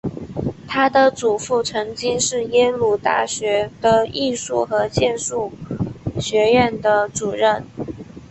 她的祖父曾经是耶鲁大学的艺术和建筑学院的主任。